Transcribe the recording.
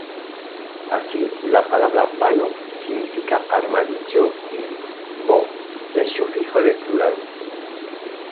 Así, la palabra "pano" significa ‘armadillo’ y "-bo" el sufijo de plural.